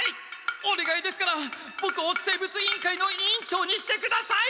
おねがいですからボクを生物委員会の委員長にしてください！